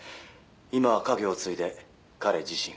「今は家業を継いで彼自身が」